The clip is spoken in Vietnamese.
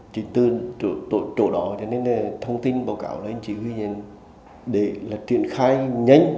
chỉ từ chỗ đó cho nên là thông tin báo cáo lên chỉ huy nhận để là triển khai nhanh